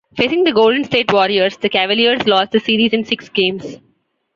Facing the Golden State Warriors, the Cavaliers lost the series in six games.